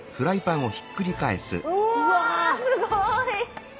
うわすごい！